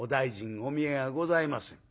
お見えがございません。